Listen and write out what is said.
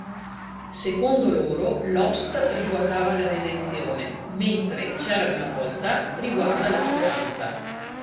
Secondo loro, "Lost" riguardava la redenzione, mentre "C'era una volta" riguarda la speranza.